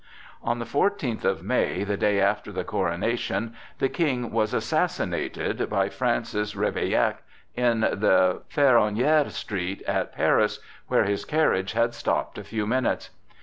On the fourteenth of May, the day after the coronation, the King was assassinated by Francis Ravaillac in the Ferronière Street at Paris, where his carriage had stopped a few minutes.